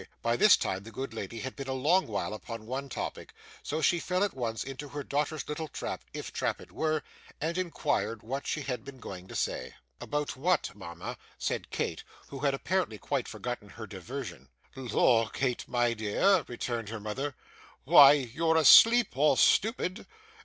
By this time the good lady had been a long while upon one topic, so she fell at once into her daughter's little trap, if trap it were, and inquired what she had been going to say. 'About what, mama?' said Kate, who had apparently quite forgotten her diversion. 'Lor, Kate, my dear,' returned her mother, 'why, you're asleep or stupid!